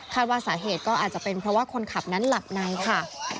ว่าสาเหตุก็อาจจะเป็นเพราะว่าคนขับนั้นหลับในค่ะ